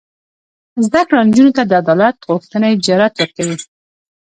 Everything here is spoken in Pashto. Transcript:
زده کړه نجونو ته د عدالت غوښتنې جرات ورکوي.